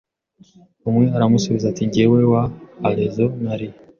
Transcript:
Umwe aramusubiza ati Njyewe wa Arezzo nari